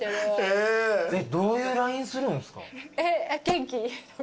どういうＬＩＮＥするんすか？